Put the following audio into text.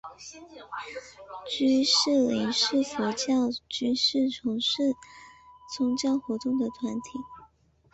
居士林是佛教居士从事宗教活动的团体。